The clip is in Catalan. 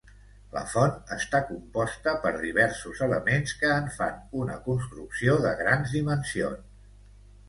La font està composta per diversos elements que en fan una construcció de grans dimensions.